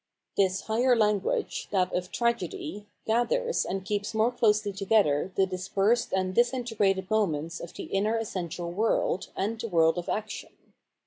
This higher language, that of Tragedy, gathers and keeps more closely together the dispersed and disin tegrated moments of the inner essential world and the world of action.